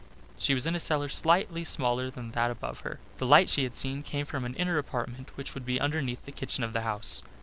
She was in a cellar slightly smaller than that above her. The light she had seen came from an inner apartment which would be underneath the kitchen of the house.